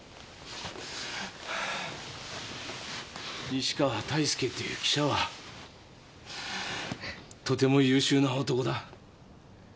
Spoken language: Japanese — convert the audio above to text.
西川泰介っていう記者はとても優秀な男だ。